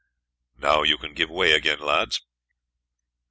"Now you can give way again, lads."